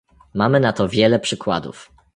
Mamy na to wiele przykładów